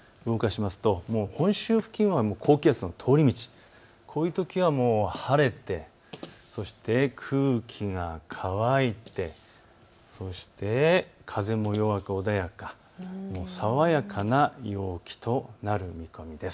動かしますと、本州付近は高気圧の通り道、こういうときは晴れてそして空気が乾いてそして風も弱く穏やか爽やかな陽気となる見込みです。